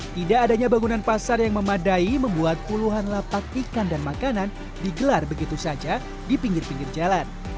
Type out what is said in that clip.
tidak adanya bangunan pasar yang memadai membuat puluhan lapak ikan dan makanan digelar begitu saja di pinggir pinggir jalan